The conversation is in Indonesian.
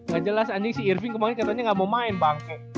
gak jelas anjing si irving kemaren katanya gak mau main bang